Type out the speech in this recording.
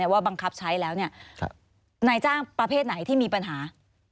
ว่าบังคับใช้แล้วนายจ้างประเภทไหนที่มีปัญหา